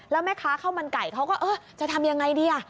แล้วแม่ค้าข้าวมันไก่เขาก็เออจะทำยังไงดี